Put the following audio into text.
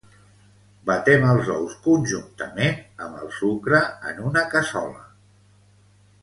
Batem els ous conjuntament amb el sucre en una casserola.